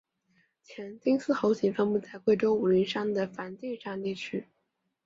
黔金丝猴仅分布在贵州武陵山的梵净山地区。